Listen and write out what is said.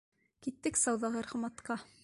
— Киттек сауҙагәр Хамматҡа.